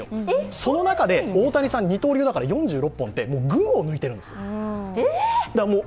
その中で大谷さん二刀流だから４６本って群を抜いてるんです。